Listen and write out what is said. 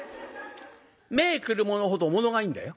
目ぇくるものほど物がいいんだよ。